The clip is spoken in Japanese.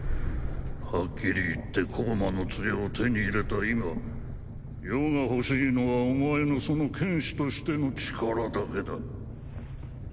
はっきり言って光魔の杖を手に入れた今余が欲しいのはお前のその剣士としての力だけだ。